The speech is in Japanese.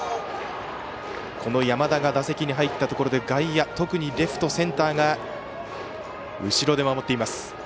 山田が打席に入ったところで外野、特にレフトとセンターが後ろで守っています。